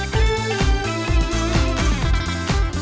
เธอรู้ไหมยังยัง